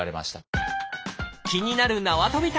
気になるなわとび